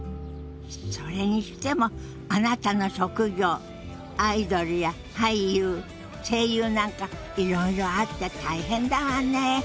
それにしてもあなたの職業アイドルや俳優声優なんかいろいろあって大変だわね。